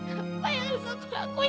kenapa yang harus aku lakuin